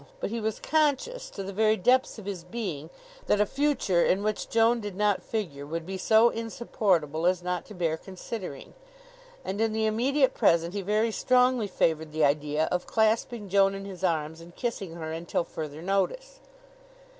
But he was conscious to the very depths of his being that a future in which Joan did not figure would be so insupportable as not to bear considering; and in the immediate present he very strongly favored the idea of clasping Joan in his arms and kissing her until further notice.